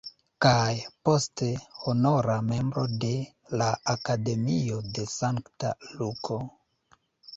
Kaj, poste, honora membro de la Akademio de Sankta Luko.